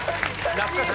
懐かしい。